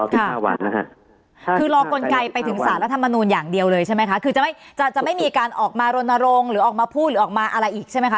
คือรอกลไกลไปถึงศาลรัฐธรรมนูนอย่างเดียวเลยจะไม่มีการออกมารนรงค์ออกมาพูดออกมาอะไรอีกใช่ไหมคะ